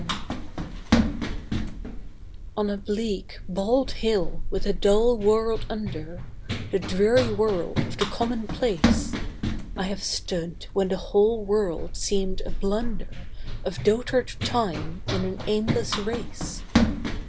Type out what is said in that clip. LIFE On a bleak, bald hill with a dull world under, The dreary world of the Commonplace, I have stood when the whole world seemed a blunder Of dotard Time, in an aimless race.